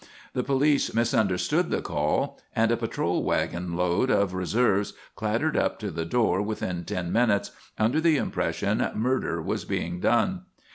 The police misunderstood the call, and a patrol wagon load of reserves clattered up to the door within ten minutes, under the impression murder was being done.